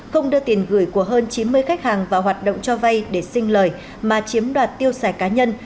không đưa tiền gửi của hơn chín mươi khách hàng vào hoạt động cho vay để sinh lời mà chiếm đoạt tiêu xài cá nhân